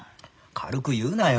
軽く言うなよ。